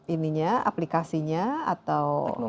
ininya aplikasinya atau